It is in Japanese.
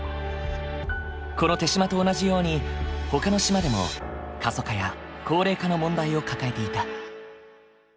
この豊島と同じようにほかの島でも過疎化や高齢化の問題を抱えていた。